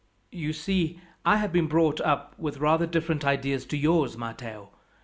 "You see I have been brought up with rather different ideas to yours, Matteo.